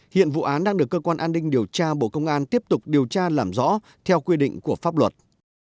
hiện vụ án đang được cơ quan an ninh điều tra bộ công an tiếp tục điều tra làm rõ theo quy định của pháp luật